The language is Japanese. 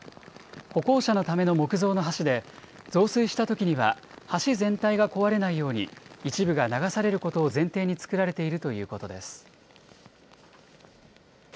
歩行者のための木造の橋で、増水したときには、橋全体が壊れないように、一部が流されることを前提に作られているということです。